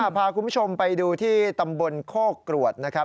พาคุณผู้ชมไปดูที่ตำบลโคกรวดนะครับ